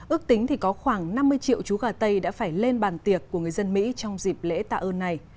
ước tính thì có khoảng năm mươi triệu chú gà tây đã phải lên bàn tiệc của người dân mỹ trong dịp lễ tạ ơn này